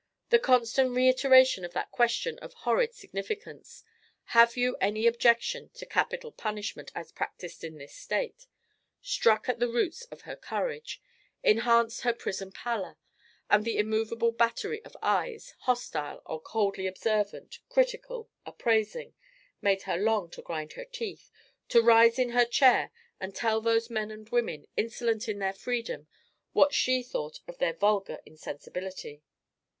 The constant reiteration of that question of horrid significance: "Have you any objection to capital punishment as practised in this State?" struck at the roots of her courage, enhanced her prison pallor; and that immovable battery of eyes, hostile, or coldly observant, critical, appraising, made her long to grind her teeth, to rise in her chair and tell those men and women, insolent in their freedom, what she thought of their vulgar insensibility.